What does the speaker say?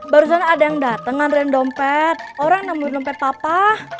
barusan ada yang datengan random pet orang yang nemuin dompet papa